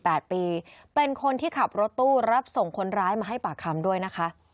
เป็นคนที่ขับรถตู้รับส่งคนร้ายมาให้ปากคำด้วยนะคะ